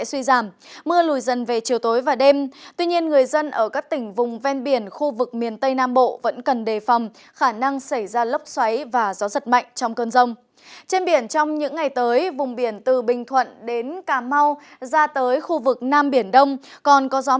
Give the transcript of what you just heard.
xin chào và hẹn gặp lại trong các bản tin tiếp theo